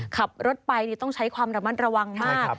ขับรถไปต้องใช้ความระมัดระวังมาก